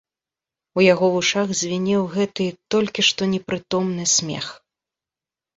У яго вушах звінеў гэты, толькі што непрытомны смех.